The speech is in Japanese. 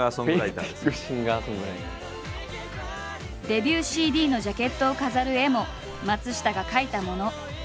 デビューＣＤのジャケットを飾る絵も松下が描いたもの。